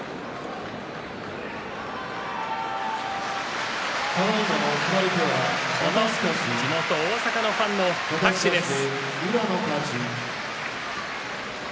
拍手地元、大阪のファンの拍手です。